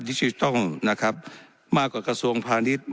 นิชย์ต้องนะครับมากกว่ากระทรวงพาณิชย์